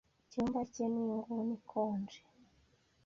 icyumba cye ni inguni ikonje